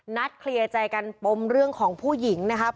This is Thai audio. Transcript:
นัดเคลียร์ใจกันปมเรื่องของผู้หญิงนะครับ